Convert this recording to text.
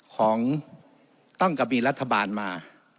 ของต้องกับมีรัฐบาลมา